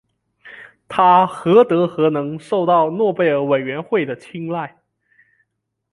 他何德何能受到诺贝尔委员会的青睐。